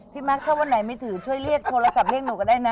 แมคถ้าวันไหนไม่ถือช่วยเรียกโทรศัพท์เรียกหนูก็ได้นะ